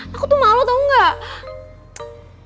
aku tuh malu tau gak